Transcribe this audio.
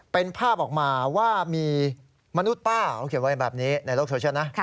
เป็นภาพออกมาว่ามีมนุษย์ป้าเขาเขียนไว้แบบนี้ในโลกโซเชียลนะ